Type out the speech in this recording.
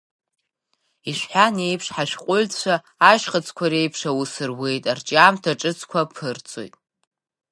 Ишәҳәан еиԥш, ҳашәҟәыҩҩцәа ашьхыцқәа реиԥш аус руеит, арҿиамҭа ҿыцқәа аԥырҵоит.